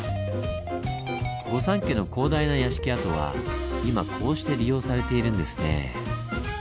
御三家の広大な屋敷跡は今こうして利用されているんですねぇ。